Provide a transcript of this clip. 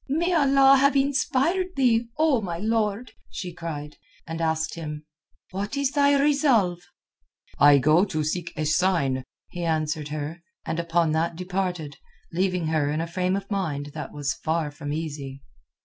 "May Allah have inspired thee, O my lord!" she cried. And asked him: "What is thy resolve?" "I go to seek a sign," he answered her, and upon that departed, leaving her in a frame of mind that was far from easy.